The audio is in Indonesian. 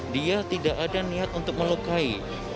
dia tidak ada niat untuk melukai